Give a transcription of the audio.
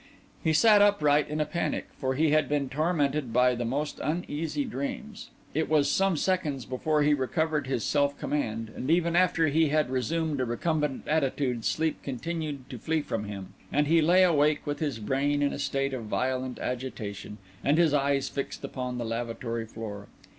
He sat upright in a panic, for he had been tormented by the most uneasy dreams; it was some seconds before he recovered his self command; and even after he had resumed a recumbent attitude sleep continued to flee him, and he lay awake with his brain in a state of violent agitation, and his eyes fixed upon the lavatory door.